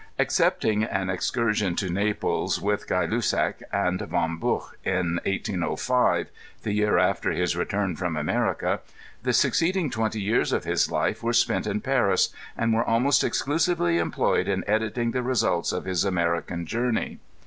Excepting an excursion to Naples with Gay Lussac and Von Buch in 1805 (the year after his return from America), the succeeding twenty years of his life were spent in Paris, and were almost exclusively employed in editing the results of his American journey.